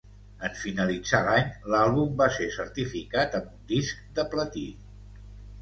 En finalitzar l'any, l'àlbum va ser certificat amb un disc de platí.